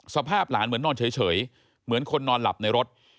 สภาพหลานเหมือนนอนเฉยเหมือนคนนอนหลับในรถ